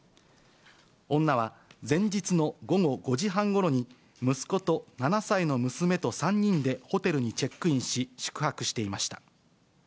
女は前日の午後５時半ごろに、息子と７歳の娘と３人でホテルにチェックインし、宿泊していました。